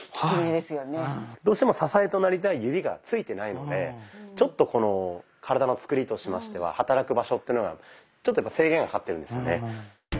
うん。どうしても支えとなりたい指が着いてないのでちょっとこの体のつくりとしましては働く場所っていうのがちょっとやっぱ制限がかかってるんですよね。